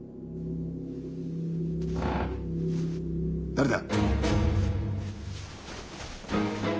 ・誰だ！